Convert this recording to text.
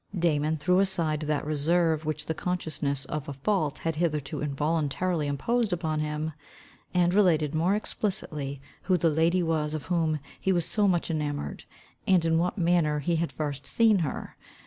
Damon threw aside that reserve which the consciousness of a fault had hitherto involuntarily imposed upon him, and related more explicitly who the lady was of whom he was so much enamoured, and in what manner he had first seen her.